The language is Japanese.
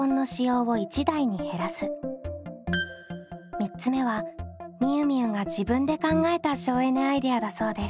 ３つ目はみゆみゆが自分で考えた省エネアイデアだそうです。